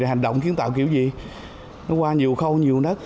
hành động kiến tạo kiểu gì nó qua nhiều khâu nhiều nữa